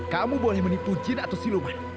kamu boleh menipu jin atau siluman